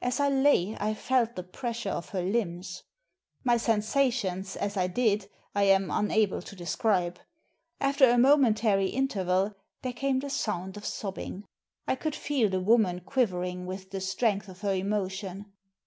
As I lay I felt the pressure of her limbs. My sensations, as I did, I am unable to describe. After a momentary in terval there came the sound of sobbing. I could feel the woman quivering with the strength of her emotion.